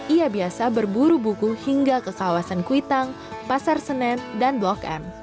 ia biasa berburu buku hingga ke kawasan kuitang pasar senen dan blok m